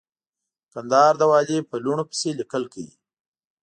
د کندهار د والي په لوڼو پسې ليکل کوي.